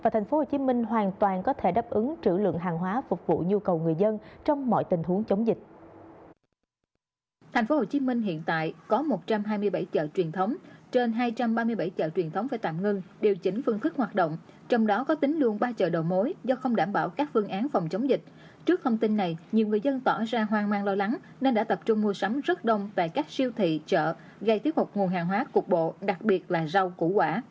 tp hcm hoàn toàn có thể chủ động nguồn dự trữ lương thực thực phẩm và đảm bảo cho người dân luôn được cung ứng đầy đủ